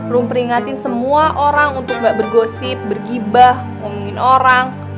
rumi peringatin semua orang untuk enggak bergosip bergibah ngomongin orang